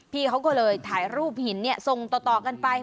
พี่เขาก็เลยถ่ายรูปหินส่งต่อกันไป